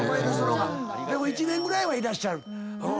でも１年ぐらいはいらっしゃる。